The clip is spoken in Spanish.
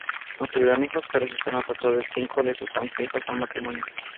No tuvieron hijos, pero Susana trajo cinco de sus once hijos al matrimonio.